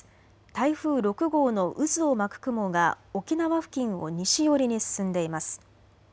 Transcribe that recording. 台風６号の渦を巻く雲が沖縄付近を西寄りに進んでいます。